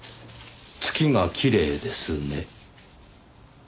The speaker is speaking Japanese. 「月がきれいですね」